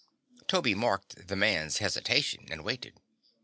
Toby marked the man's hesitation and waited.